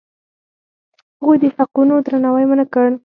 هغوی د حقونو درناوی ونه کړ.